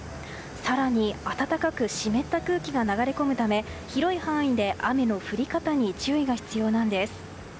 更に、暖かく湿った空気が流れ込むため広い範囲で雨の降り方に注意が必要なんです。